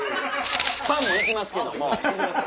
パンも行きますけども。